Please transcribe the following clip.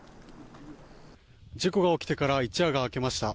事故が起きてから一夜が明けました。